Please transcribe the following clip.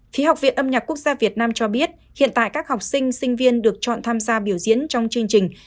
phía học viện âm nhạc quốc gia việt nam cho biết hiện tại các học sinh sinh viên được chọn tham gia biểu diễn trong chương trình